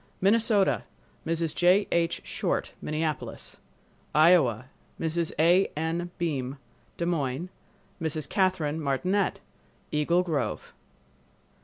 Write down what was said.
Minnesota—Mrs. J. H. Short, Minneapolis. Iowa—Mrs. A. N. Beim, Des Moines; Mrs. Catherine Martinette, Eagle Grove.